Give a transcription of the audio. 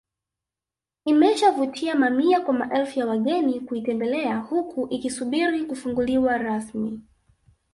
Imeshavutia mamia kwa maelfu ya wageni kuitembelea huku ikisubiri kufunguliwa rasmi